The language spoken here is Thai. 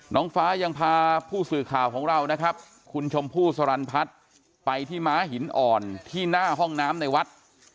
น้องฟ้ายังพาผู้สื่อข่าวของเรานะครับคุณชมพู่สรรพัฒน์ไปที่ม้าหินอ่อนที่หน้าห้องน้ำในวัด